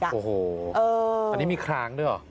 อันนี้มีคล้างด้วยหรอ